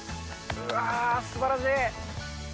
うわー、すばらしい。